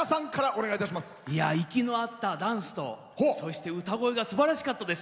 息の合ったダンスとそして歌声がすばらしかったです。